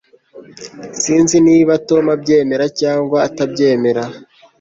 Sinzi niba Tom abyemera cyangwa atabyemera